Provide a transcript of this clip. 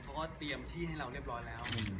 เขาก็เตรียมที่ให้เราเรียบร้อยแล้ว